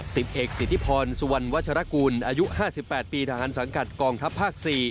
สิบเอกสิทธิพรสุวรรณวัชรกูลอายุ๕๘ปีทหารสังกัดกองทัพภาค๔